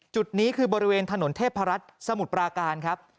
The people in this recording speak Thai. จุดนี้คือบริเวณถนนเทพรัฐสมุทรปราการครับ